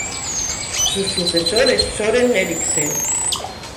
Su sucesor es Søren Eriksen.